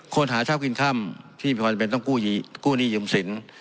คนหาชาวกินค่ำที่ไปต้องคู่นี่หยุมสิง